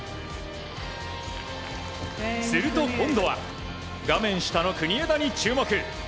すると、今度は画面下の国枝に注目。